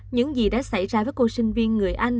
những gì đã xảy ra với cô sinh viên người anh